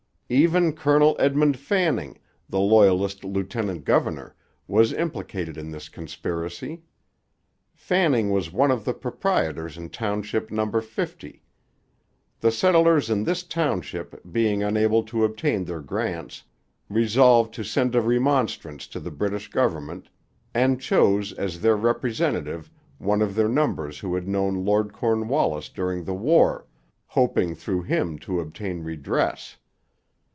Even Colonel Edmund Fanning, the Loyalist lieutenant governor, was implicated in this conspiracy. Fanning was one of the proprietors in Township No. 50. The settlers in this township, being unable to obtain their grants, resolved to send a remonstrance to the British government, and chose as their representative one of their number who had known Lord Cornwallis during the war, hoping through him to obtain redress.